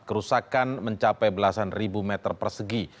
kerusakan mencapai belasan ribu meter persegi